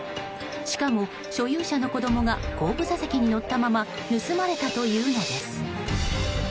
しかも所有者の子供が後部座席に乗ったまま盗まれたというのです。